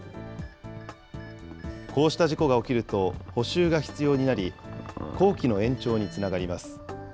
こうした事故が起きると補修が必要になり、工期の延長につながります。